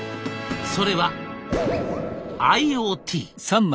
それは「ＩｏＴ」。